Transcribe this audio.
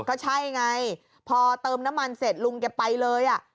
ก็ใช่ไงพอเติมน้ำมันเสร็จลุงแกไปเลยอ่ะ